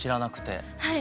はい。